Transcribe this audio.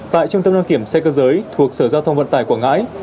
tại trung tâm đăng kiểm xe cơ giới thuộc sở giao thông vận tải quảng ngãi